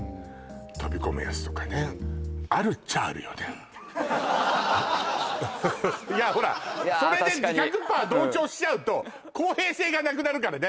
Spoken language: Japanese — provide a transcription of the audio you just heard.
飛び込むやつとかねいやほらいやこれで１００パー同調しちゃうと公平性がなくなるからね